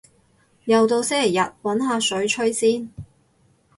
又到星期日，搵下水吹先